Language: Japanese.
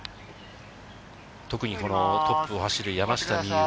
特にこのトップを走る山下美夢